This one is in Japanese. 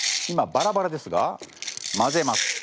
今バラバラですが交ぜます。